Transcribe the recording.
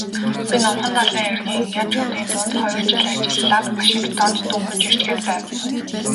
Би Номхон далайн эргийн индианчуудын дунд хоёр жил ажиллаад Вашингтонд дөнгөж ирчхээд байв.